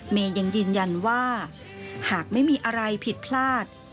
เมย์ยังยืนยันว่าหากไม่มีอะไรผิดพลาด